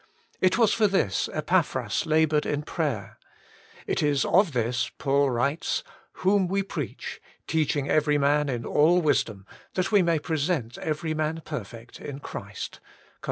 It was for this Epaphras laboured in prayer. It is of this Paul writes :' Whom we preach, teach ing every man in all wisdom, that we may present every man perfect in Christ' (Col.